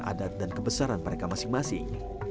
dengan pakaian adat dan kebesaran mereka masing masing